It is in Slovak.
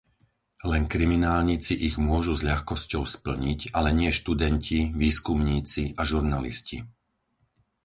Len kriminálnici ich môžu s ľahkosťou splniť, ale nie študenti, výskumníci a žurnalisti.